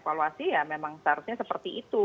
evaluasi ya memang seharusnya seperti itu